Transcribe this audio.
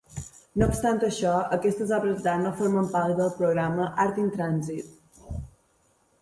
No obstant això, aquestes obres d'art no formen part del programa Art in Transit.